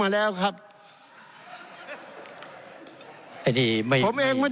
ท่านประธานที่ขอรับครับ